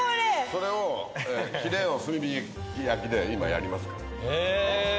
それをヒレを炭火焼きで今やりますから。